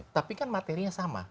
tapi kan materinya sama